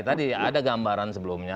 tadi ada gambaran sebelumnya